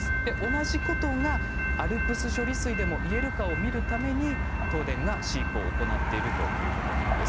同じことがＡＬＰＳ処理水でもいえるかどうかを見るために東電が飼育を行っているということなんです。